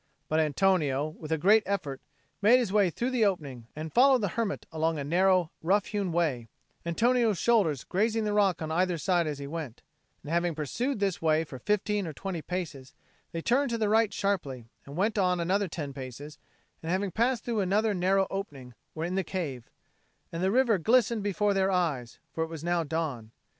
But Antonio, with a great effort, made his way through the opening, and followed the hermit along a narrow rough hewn way, Antonio's shoulders grazing the rock on either side as he went; and having pursued this way for fifteen or twenty paces, they turned to the right sharply, and went on another ten paces, and, having passed through another narrow opening, were in the cave; and the river glistened before their eyes, for it was now dawn.